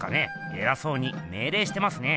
えらそうにめいれいしてますね。